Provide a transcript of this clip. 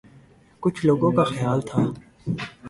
کچھ لوگوں کا خیال تھا